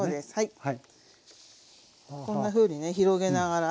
はい。